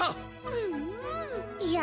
うんうんいや